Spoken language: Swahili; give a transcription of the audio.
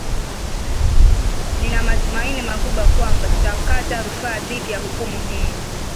nina matumaini makubwa kwamba tutakata rufaa dhidi ya hukumu hii